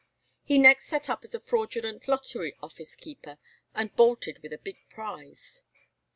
He next set up as a fraudulent lottery office keeper, and bolted with a big prize.